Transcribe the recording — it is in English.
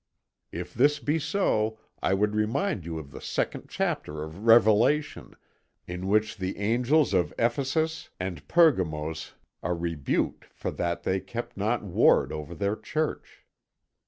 If this be so, I would remind you of the second chapter of Revelation, in which the Angels of Ephesus and Pergamos are rebuked for that they kept not ward over their church.